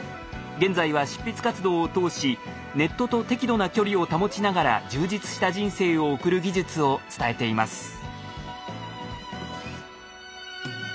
現在は執筆活動を通しネットと適度な距離を保ちながら充実した人生を送る技術を伝えています。